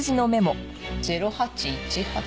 「０８１８」。